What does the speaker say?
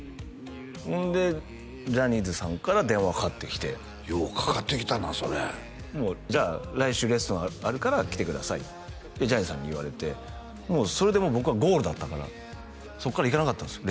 ほんでジャニーズさんから電話かかってきてようかかってきたなそれもう「じゃあ来週レッスンあるから来てください」ってジャニーさんに言われてもうそれで僕はゴールだったからそっから行かなかったんですよ